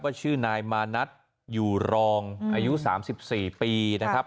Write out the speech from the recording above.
ชื่อนายมานัทอยู่รองอายุ๓๔ปีนะครับ